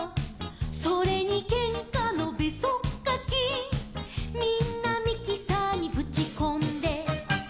「それにけんかのべそっかき」「みんなミキサーにぶちこんで」